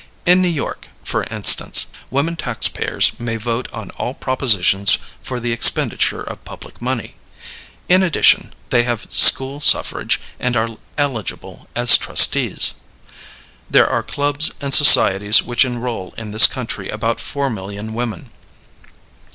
In New York, for instance, women taxpayers may vote on all propositions for the expenditure of public money. In addition, they have school suffrage and are eligible as trustees. There are clubs and societies which enroll in this country about four million women.